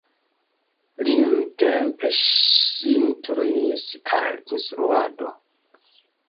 Li nuntempe sin turnis al la instruado.